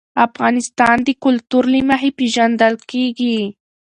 افغانستان د کلتور له مخې پېژندل کېږي.